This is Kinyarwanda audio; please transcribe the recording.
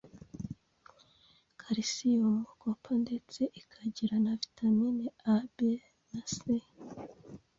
calcium, copper, ndetse ikagira na vitamine A, B na C